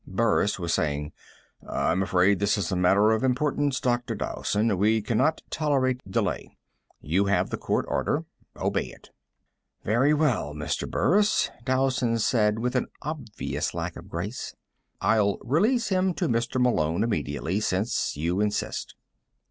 Burris was saying: "... I'm afraid this is a matter of importance, Dr. Dowson. We cannot tolerate delay. You have the court order. Obey it." "Very well, Mr. Burris," Dowson said with an obvious lack of grace. "I'll release him to Mr. Malone immediately, since you insist."